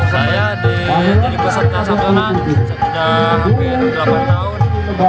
saya jadi peserta sabtonan saya sudah hampir delapan tahun